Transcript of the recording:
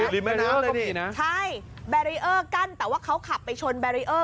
ริมแม่น้ำเลยนี่นะใช่แบรีเออร์กั้นแต่ว่าเขาขับไปชนแบรีเออร์